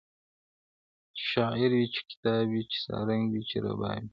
• چي شاعر وي چي کتاب وي چي سارنګ وي چي رباب وي -